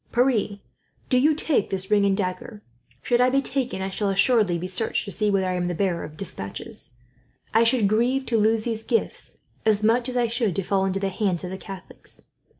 "Pierre, do you take this ring and dagger. Should I be taken, I shall assuredly be searched to see whether I am the bearer of despatches. I should grieve to lose these gifts, as much as I should to fall into the hands of the Catholics.